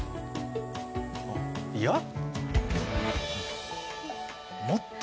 あっいやもっと。